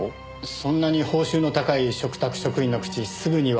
そんなに報酬の高い嘱託職員の口すぐには。